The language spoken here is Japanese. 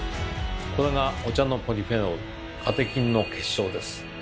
これがお茶のポリフェノールカテキンの結晶です。